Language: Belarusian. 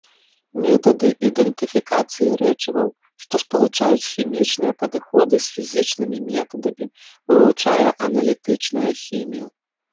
Метады ідэнтыфікацыі рэчываў, што спалучаюць хімічныя падыходы з фізічнымі метадамі, вывучае аналітычная хімія.